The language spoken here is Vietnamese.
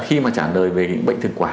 khi mà trả lời về những bệnh thực quản